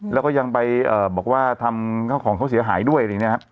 แล้วก็ยังไปบอกว่าทำข้าวของเขาเสียหายด้วยอะไรอย่างนี้ครับ